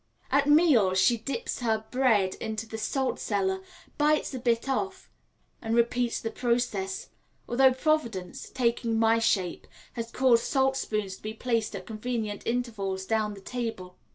At meals she dips her bread into the salt cellar, bites a bit off, and repeats the process, although providence (taking my shape) has caused salt spoons to be placed at convenient intervals down the table.